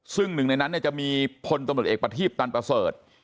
ซึ่ง๑ในนั้นจะมีพลตำรวจเอกประทีปตันปเสิร์ต